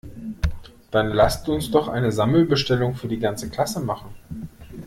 Dann lasst uns doch eine Sammelbestellung für die ganze Klasse machen!